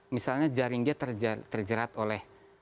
misalnya jaring dia terjerat oleh